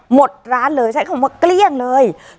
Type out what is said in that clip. หมดร้านเลยใช้คำว่าเกลี้ยงเลย